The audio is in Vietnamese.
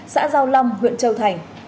xã giao long huyện châu thành